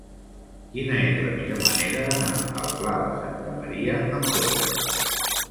Quina és la millor manera d'anar al Pla de Santa Maria amb cotxe?